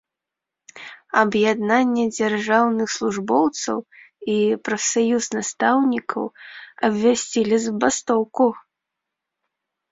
Аб'яднанне дзяржаўных службоўцаў і прафсаюз настаўнікаў абвясцілі забастоўку.